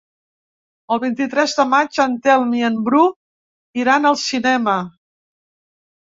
El vint-i-tres de maig en Telm i en Bru iran al cinema.